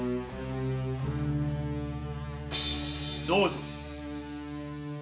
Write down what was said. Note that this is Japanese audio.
どうぞ。